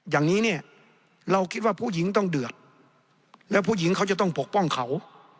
อย่างนี้เนี่ยเราคิดว่าผู้หญิงต้องเดือดแล้วผู้หญิงเขาจะต้องปกป้องเขา